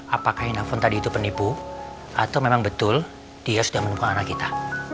apakah handphone tadi itu penipu atau memang betul dia sudah menemukan anak kita